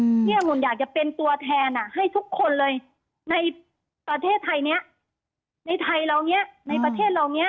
อืมนี่อุ๋นอยากจะเป็นตัวแทนอะให้ทุกคนเลยในประเทศไทยเนี่ยในไทยเหล่าเนี่ยในประเทศเหล่าเนี่ย